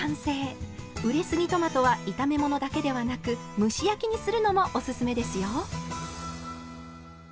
熟れすぎトマトは炒め物だけではなく蒸し焼きにするのもおすすめですよ。